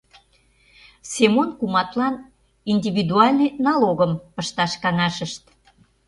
Семон куматлан индивидуальный налогым пышташ каҥашышт.